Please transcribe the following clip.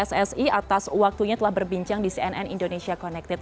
pssi atas waktunya telah berbincang di cnn indonesia connected